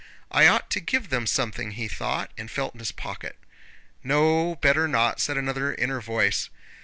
"I ought to give them something!" he thought, and felt in his pocket. "No, better not!" said another, inner voice.